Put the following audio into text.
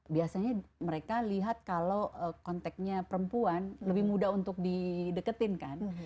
biasanya mereka lihat kalau kontaknya perempuan lebih mudah untuk di deketin kan